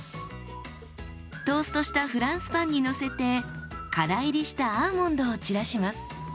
トーストしたフランスパンにのせてから煎りしたアーモンドを散らします。